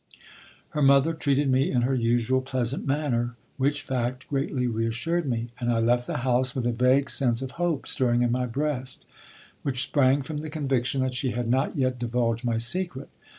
Her mother treated me in her usual pleasant manner, which fact greatly reassured me; and I left the house with a vague sense of hope stirring in my breast, which sprang from the conviction that she had not yet divulged my secret.